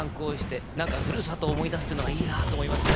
なんかふるさとを思い出すというのがいいなと思いますね。